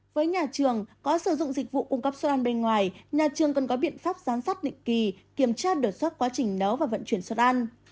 với nhà trường có sử dụng dịch vụ cung cấp xuất ăn bên ngoài nhà trường cần có biện pháp gián sát định kỳ kiểm tra đổi xuất quá trình nấu và vận chuyển xuất ăn